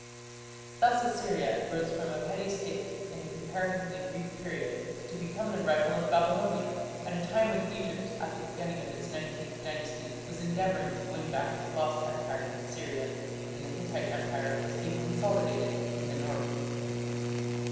Thus Assyria rose from a petty state in a comparatively brief period to become the rival of Babylonia, at a time when Egypt at the beginning of its Nineteenth Dynasty was endeavouring to win back its lost empire in Syria, and the Hittite empire was being consolidated in the north.